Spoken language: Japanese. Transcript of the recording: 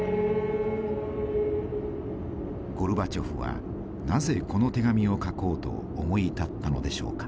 ゴルバチョフはなぜこの手紙を書こうと思い立ったのでしょうか。